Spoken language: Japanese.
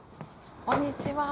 こんにちは。